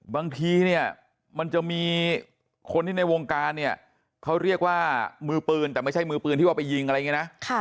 บางทีเนี่ยมันจะมีคนที่ในวงการเนี่ยเขาเรียกว่ามือปืนแต่ไม่ใช่มือปืนที่ว่าไปยิงอะไรอย่างนี้นะ